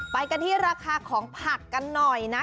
ไปกันที่ราคาของผักกันหน่อยนะ